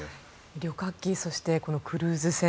旅客機そしてクルーズ船。